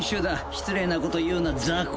失礼なこと言うなザコ。